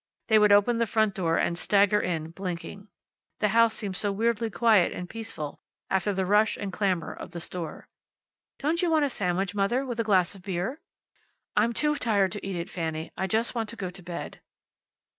They would open the front door and stagger in, blinking. The house seemed so weirdly quiet and peaceful after the rush and clamor of the store. "Don't you want a sandwich, Mother, with a glass of beer?" "I'm too tired to eat it, Fanny. I just want to get to bed."